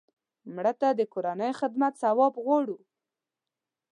مړه ته د کورنۍ خدمت ثواب غواړو